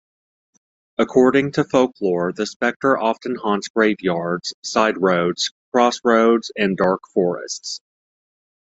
According to folklore, the spectre often haunts graveyards, side roads, crossroads and dark forests.